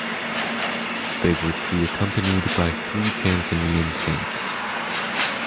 They were to be accompanied by three Tanzanian tanks.